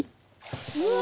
うわ！